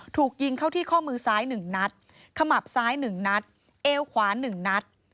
ถูกยิงเข้าที่ข้อมือซ้ายหนึ่งนัดขมับซ้ายหนึ่งนัดเอวขวานึ่งนัด